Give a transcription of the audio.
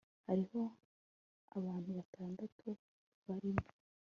hariho abantu batandatu barimo